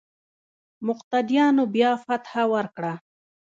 مقتديانو بيا فتحه ورکړه.